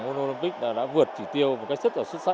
của môn olympic đã vượt chỉ tiêu một cách rất là xuất sắc